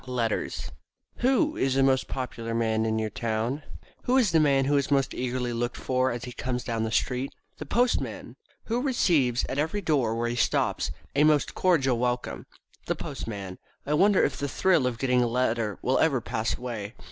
"_ LETTERS Who is the most popular man in your town? The Postman. Who is the man who is most eagerly looked for as he comes down the street? The Postman. Who receives, at every door where he stops, a most cordial welcome? The Postman. I wonder if the thrill of getting a letter will ever pass away.